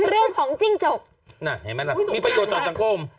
เรื่องของจิ้งจกน่ะเห็นไหมล่ะมีประโยชน์ต่อสังคม